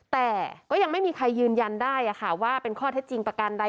แต่ก็ยังไม่มีใครยืนยันได้ว่าเป็นข้อเท็จจริงประกันใด